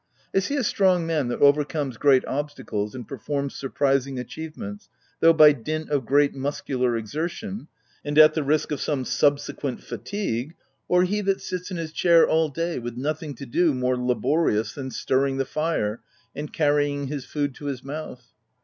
— Is he a strong man that overcomes great obstacles and performs surprising achieve ments, though by dint of great muscular exertion, and at the risk of some subsequent fatigue, or he that sits in his chair .all day, with nothing to do more laborious than stirring the fire, and carry ing his food to his mouth